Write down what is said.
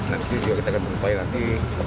nanti juga kita akan berupaya nanti